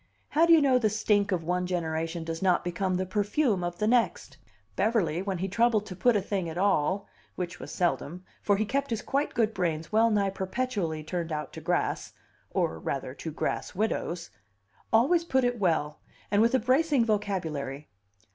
"How do you know the stink of one generation does not become the perfume of the next?" Beverly, when he troubled to put a thing at all (which was seldom for he kept his quite good brains well nigh perpetually turned out to grass or rather to grass widows) always put it well, and with a bracing vocabulary.